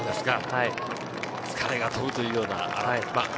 疲れが飛ぶというような。